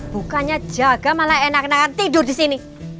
bukannya jaga malah enakan enakan tidur disini